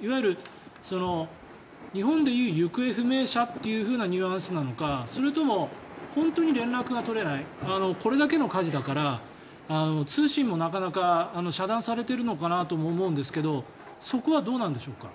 いわゆる、日本でいう行方不明者というニュアンスなのかそれとも、本当に連絡が取れないこれだけの火事だから通信もなかなか遮断されているのかなとも思うんですがそこはどうなんでしょうか。